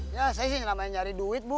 ya saya sih namanya nyari duit bu